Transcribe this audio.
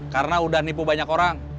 karena udah nipu banyak orang